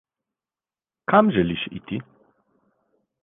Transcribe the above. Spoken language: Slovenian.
Kam želiš iti?